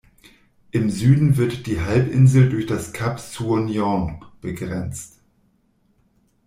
Im Süden wird die Halbinsel durch das Kap Sounion begrenzt.